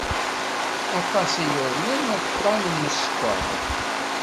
Aṭas i yuḍnen aṭṭan n sskeṛ.